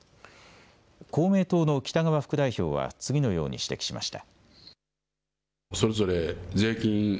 公明党の北側副代表は次のように指摘しました。